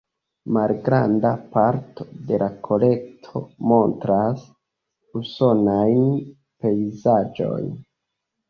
Malgranda parto de la kolekto montras usonajn pejzaĝojn.